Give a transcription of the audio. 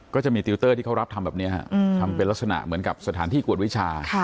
ก็จะมีติวเตอร์ที่เขารับทำแบบนี้ทำเป็นลักษณะเหมือนกับสถานที่กวดวิชา